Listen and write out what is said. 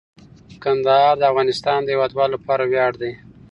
کندهار د افغانستان د هیوادوالو لپاره ویاړ دی.